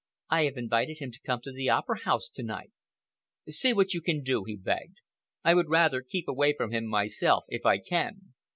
"I have invited him to come to the Opera House to night." "See what you can do," he begged. "I would rather keep away from him myself, if I can.